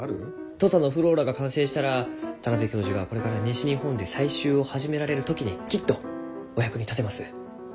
土佐のｆｌｏｒａが完成したら田邊教授がこれから西日本で採集を始められる時にきっとお役に立てます。